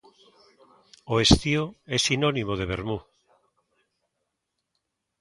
O estío é sinónimo de vermú.